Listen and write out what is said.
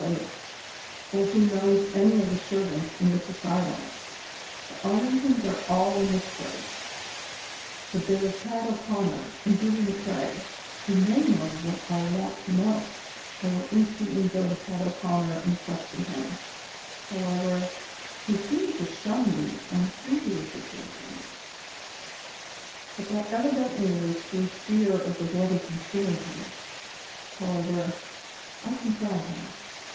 173 place, or who knows any of the servants in this asylum. The Armingtons are all in this place, but there is Pat O'Conner and Judy McCrea, who may know what I want to know ; I will instantly go to Pat O 'Conner and question him ; however, he seemed to shun me on previous occa sions ; but that evidently was through fear of the bloody conspirators ; however, I can try him.